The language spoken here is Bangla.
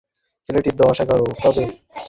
ছেলেটির বয়স দশ-এগার, তবে মহাবোকা।